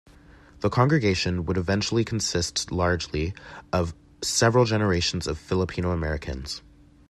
The congregation would eventually consist largely of several generations of Filipino Americans.